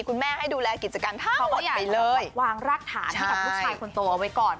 คุณแม่ให้ดูแลกิจกรรมทั้งหมดไปเลย